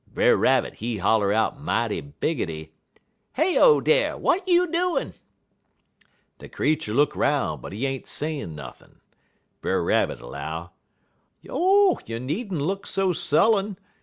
Brer Rabbit, he holler out mighty biggity: "'Heyo dar! W'at you doin'?' "De creetur look 'roun', but he ain't sayin' nothin'. Brer Rabbit 'low: "'Oh, you nee'nter look so sullen!